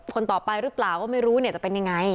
คนต่อไปหรือเปล่าก็ไม่รู้เนี่ยจะเป็นยังไง